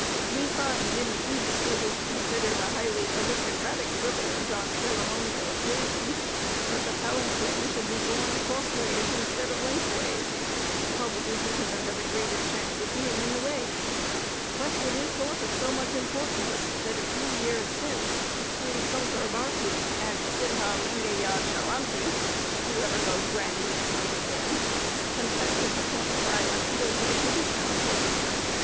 We find, in the East, it is considered a highly aristocratic privilege, on ceremonial occasions, that the palanquin should be borne crossways, instead of lengthways, probably because it has a greater chance of being in the way; but it is thought of so much importance, that a few years since, Sri Sunkur Bharti, and Sidha Lingayah Charanti, whoever those grandees might have been, contested the point by appeal to the privy council.